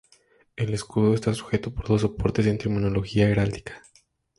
El escudo está sujeto por dos soportes en terminología heráldica.